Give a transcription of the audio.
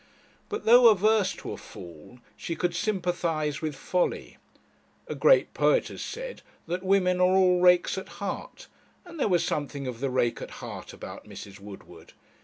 But though averse to a fool, she could sympathize with folly. A great poet has said that women are all rakes at heart; and there was something of the rake at heart about Mrs. Woodward.